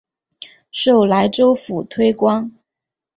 授莱州府推官。